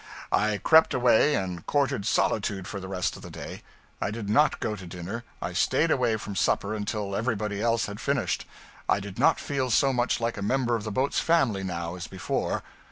I crept away, and courted solitude for the rest of the day. I did not go to dinner; I stayed away from supper until everybody else had finished. I did not feel so much like a member of the boat's family now as before.